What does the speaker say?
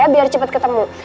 biar cepat ketemu